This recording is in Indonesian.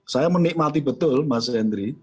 saya menikmati betul mas henry